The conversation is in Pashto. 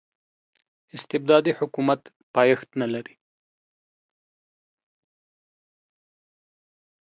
استبدادي حکومت پایښت نلري.